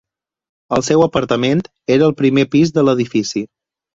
El seu apartament era al primer pis de l'edifici.